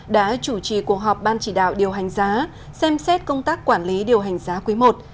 đã chủ trì cuộc họp ban chỉ đạo điều hành giá xem xét công tác quản lý điều hành giá quý i